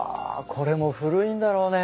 これも古いんだろうね。